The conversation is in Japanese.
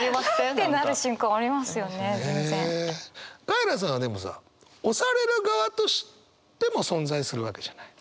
カエラさんはでもさ推される側としても存在するわけじゃない。